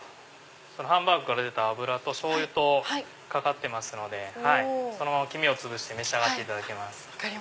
ハンバーグから出た脂としょうゆかかってますのでそのまま黄身をつぶして召し上がれます。